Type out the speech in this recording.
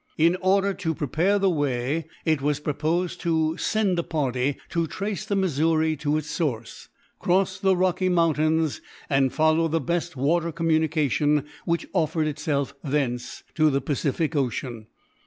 In order to prepare the way, it was proposed to send a party to trace the Missouri to its source, cross the Rocky Mountains, and follow the best water communication which offered itself thence to the Pacific ocean.